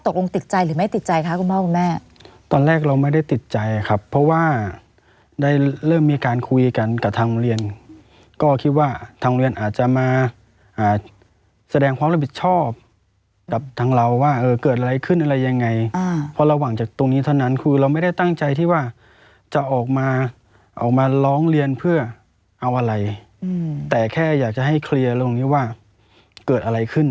ตกลงติดใจหรือไม่ติดใจคะคุณพ่อคุณแม่ตอนแรกเราไม่ได้ติดใจครับเพราะว่าได้เริ่มมีการคุยกันกับทางโรงเรียนก็คิดว่าทางเรียนอาจจะมาแสดงความรับผิดชอบกับทางเราว่าเออเกิดอะไรขึ้นอะไรยังไงเพราะระหว่างจากตรงนี้เท่านั้นคือเราไม่ได้ตั้งใจที่ว่าจะออกมาออกมาร้องเรียนเพื่อเอาอะไรแต่แค่อยากจะให้เคลียร์ตรงนี้ว่าเกิดอะไรขึ้น